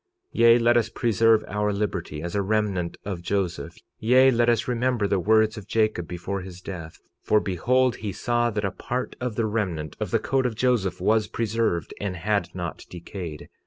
46:24 Yea, let us preserve our liberty as a remnant of Joseph; yea, let us remember the words of Jacob, before his death, for behold, he saw that a part of the remnant of the coat of Joseph was preserved and had not decayed.